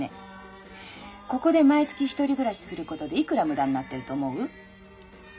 ここで毎月１人暮らしすることでいくら無駄になってると思う？